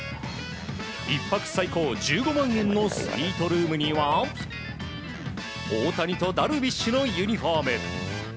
１泊最高１５万円のスイートルームには大谷とダルビッシュのユニホーム。